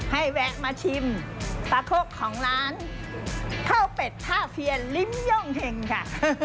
แวะมาชิมปลาโคกของร้านข้าวเป็ดท่าเพียลิ้มย่องเห็งค่ะ